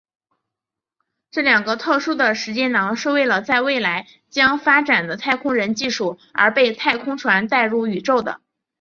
这两个特殊的时间囊是为了在未来将发展的太空人技术而被太空船带到宇宙的。